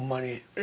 え。